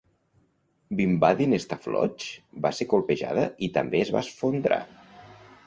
Bimbadeen Staff Lodge va ser colpejada, i també es va esfondrar.